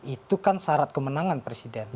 itu kan syarat kemenangan presiden